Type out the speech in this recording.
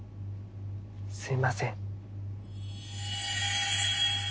すいません。